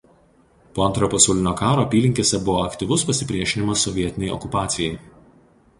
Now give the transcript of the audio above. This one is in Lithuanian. Po Antrojo pasaulinio karo apylinkėse buvo aktyvus pasipriešinimas sovietinei okupacijai.